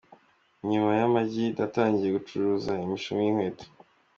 Nyuma y’amagi, natangiye gucuruza imishumi y’nkweto.